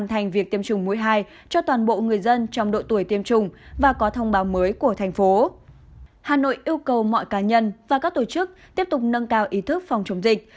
hà nội yêu cầu mọi cá nhân và các tổ chức tiếp tục nâng cao ý thức phòng chống dịch